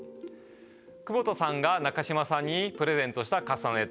久保田さんが中島さんにプレゼントしたカスタネット。